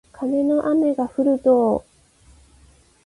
カネの雨がふるぞー